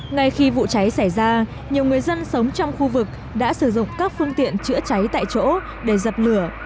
ngay khi vụ cháy xảy ra nhiều người dân sống trong khu vực đã sử dụng các phương tiện chữa cháy tại chỗ để dập lửa